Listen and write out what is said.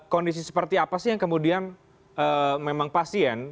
kondisi seperti apa sih yang kemudian memang pasien